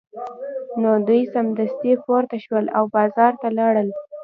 نو دوی سمدستي پورته شول او بازار ته لاړل